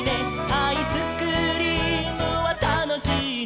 「アイスクリームはたのしいね」